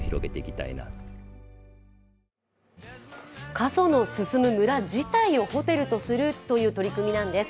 過疎の進む村自体をホテルとするという取り組みなんです。